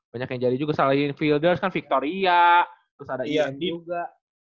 banyak yang jadi juga selain fielders kan victoria terus ada ian juga